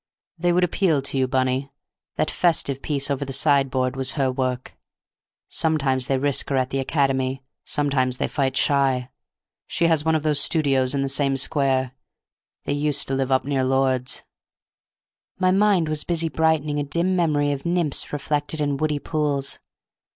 They would appeal to you, Bunny; that festive piece over the sideboard was her work. Sometimes they risk her at the Academy, sometimes they fight shy. She has one of those studios in the same square; they used to live up near Lord's." My mind was busy brightening a dim memory of nymphs reflected in woody pools.